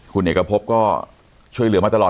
คุณเอกพบก็ช่วยเหลือมาตลอด